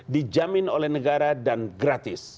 dijamin oleh negara dan gratis